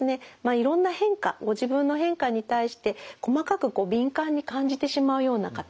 いろんな変化ご自分の変化に対して細かく敏感に感じてしまうような方。